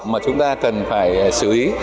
mà chúng ta cần phải xử lý